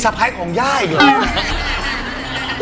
มันมีสะพัยของย่าอยู่หรอ